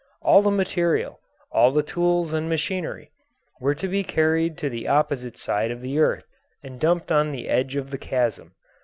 All the material, all the tools and machinery, were to be carried to the opposite side of the earth and dumped on the edge of the chasm.